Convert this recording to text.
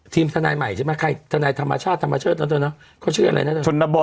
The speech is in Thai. ทีมทนายใหม่ใช่ไหมใครยเค้าชื่ออะไรเนี่ย